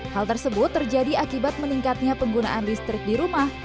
hal tersebut terjadi akibat meningkatnya penggunaan listrik di rumah